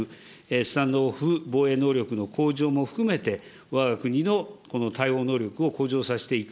スタンド・オフ防衛能力の向上も含めて、わが国のこの対応能力を向上させていく。